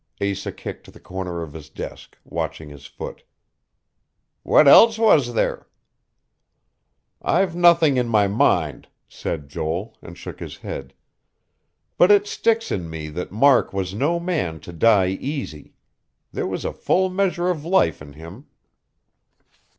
Asa kicked the corner of his desk, watching his foot. "What else was there?" "I've nothing in my mind," said Joel, and shook his head. "But it sticks in me that Mark was no man to die easy. There was a full measure of life in him."